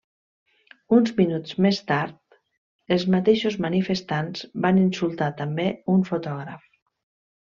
Uns minuts més tard els mateixos manifestants van insultar també un fotògraf.